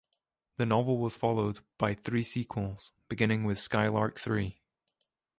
The novel was followed by three sequels, beginning with Skylark Three.